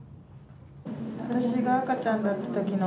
私が赤ちゃんだったときの？